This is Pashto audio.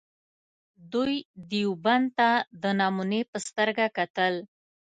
دوی دیوبند ته د نمونې په سترګه کتل.